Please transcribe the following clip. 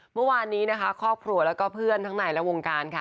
เมื่อวานนี้นะคะครอบครัวแล้วก็เพื่อนทั้งในและวงการค่ะ